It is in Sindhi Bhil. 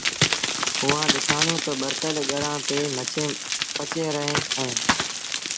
اُئآݩٚ ڏٺآندونٚ تا ٻرتل گڙآݩ تي مڇيٚنٚ پچيݩ رهينٚ اهينٚ